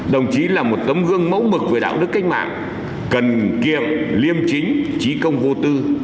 đồng chí là một tấm gương mẫu mực về đạo đức cách mạng cần kiệm liêm chính trí công vô tư